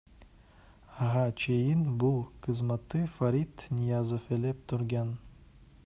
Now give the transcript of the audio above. Ага чейин бул кызматты Фарид Ниязов ээлеп турган.